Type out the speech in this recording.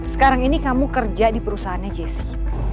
sekarang ini kamu kerja di perusahaannya jesse